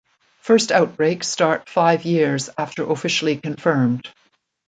First outbreak start five years after officially confirmed.